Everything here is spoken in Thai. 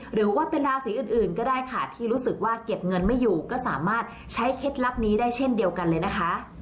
หรือว่าเป็นราศีอื่นก็ได้ค่ะที่รู้สึกว่าเก็บเงินไม่อยู่ก็สามารถใช้เคล็ดลับนี้ได้เช่นเดียวกันเลยนะคะ